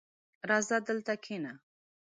راځه دلته کښېنه!